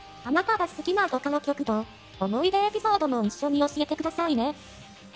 あなたが好きなボカロ曲と思い出エピソードも一緒に教えてくださいね。